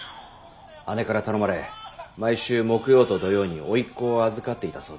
姉から頼まれ毎週木曜と土曜に甥っ子を預かっていたそうです